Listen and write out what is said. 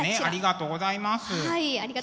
ありがとうございます。